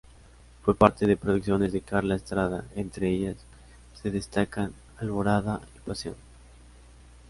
Fue parte de producciones de Carla Estrada, entre ellas se destacan "Alborada" y "Pasión".